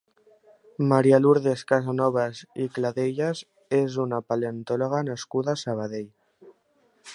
Maria Lourdes Casanovas i Cladellas és una paleontòleg nascuda a Sabadell.